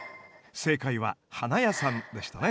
正解は花屋さんでしたね。